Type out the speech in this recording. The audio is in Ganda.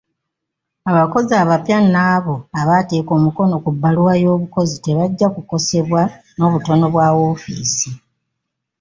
Abakozi abapya n'abo abaateeka omukono ku bbaluwa y'obukozi tebajja kukosebwa n'obutono bwa woofiisi.